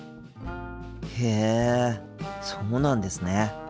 へえそうなんですね。